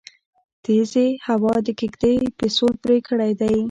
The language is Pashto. تيزې هوا د کيږدۍ پسول پرې کړی دی